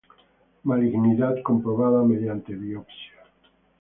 Malignidad comprobada mediante biopsia.